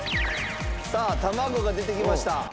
さあ卵が出てきました。